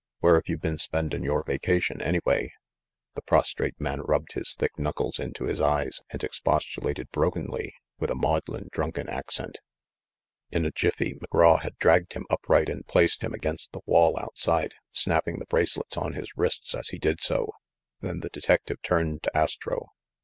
Where've you been spendin' your vacation, anyway ?" The prostrate man rubbed his thick knuckles into his eyes and expostulated brokenly with a maudlin drunken accent. In a jiffy McGraw had dragged him upright and placed him against the wall outside, snapping the bracelets on his wrists as he did so. Then the detective turned to Astro.